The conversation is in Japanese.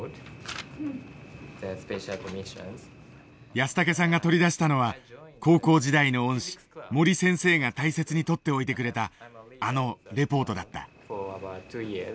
安竹さんが取り出したのは高校時代の恩師森先生が大切に取って置いてくれたあのレポートだった。